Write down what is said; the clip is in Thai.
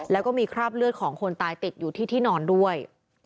แล้วก็มีคราบเลือดของคนตายติดอยู่ที่ที่นอนด้วย